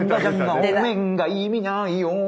お面が意味ないよ。